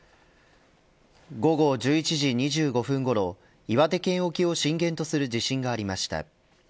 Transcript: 午後１１時２５分ごろ岩手県沖を震源とする地震がありました。